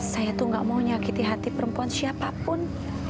saya tuh gak mau nyakiti hati perempuan siapapun